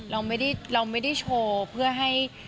เราไม่ได้โชว์เพื่อให้